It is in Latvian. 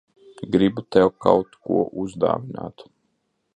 Gribu tev kaut ko uzdāvināt.